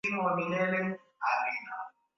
kwa ujumla kwenye sehemu za wilaya ama kwingineko